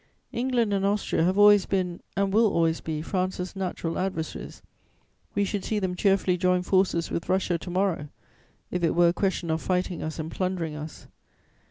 England and Austria have always been and will always be France's natural adversaries; we should see them cheerfully join forces with Russia to morrow, if it were a question of fighting us and plundering us.